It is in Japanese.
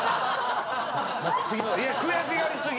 悔しがりすぎ！